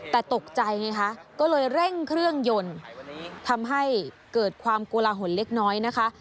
แต่ตกใจไงคะก็เลยเร่งเครื่องยนต์ทำให้เกิดความโกลาหลเล็กน้อยนะคะ